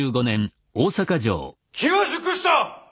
機は熟した！